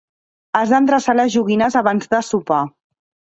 Has d'endreçar les joguines abans de sopar.